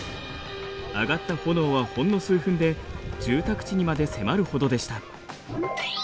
上がった炎はほんの数分で住宅地にまで迫るほどでした。